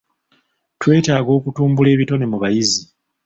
Twetaaga okutumbula ebitone mu bayizi.